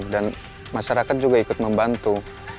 dan masyarakat juga ikut membantu